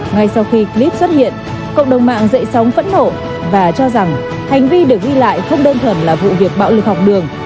ngay sau khi clip xuất hiện cộng đồng mạng dậy sóng phẫn nộ và cho rằng hành vi được ghi lại không đơn thuần là vụ việc bạo lực học đường